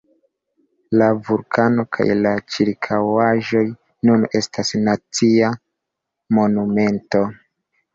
La vulkano kaj la ĉirkaŭaĵoj nun estas nacia monumento.